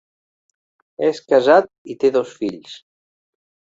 És casat i té dos fills.